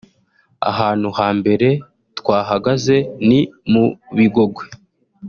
ahantu ha mbere twahagaze ni mu Bigogwe